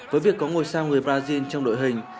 với việc có ngồi sao người brazil trong đội hình